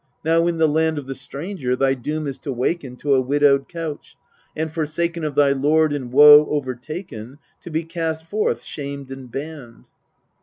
Now, in the land Of the stranger, thy doom is to waken To a widowed couch, and forsaken Of thy lord, and woe overtaken, To be cast forth shamed and banned.